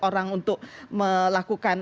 orang untuk melakukan